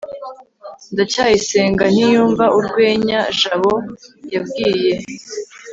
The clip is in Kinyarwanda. ndacyayisenga ntiyumva urwenya jabo yabwiye